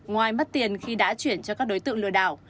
ngoài mất tiền khi đã chuyển cho các đối tượng lừa đảo